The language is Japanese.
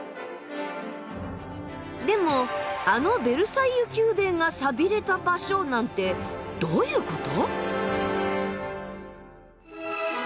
でもあのベルサイユ宮殿がさびれた場所なんてどういうこと？